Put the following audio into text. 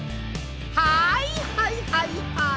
はいはいはいはい！